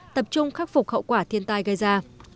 tập trung khắc phục hậu quả thiên tai gây ra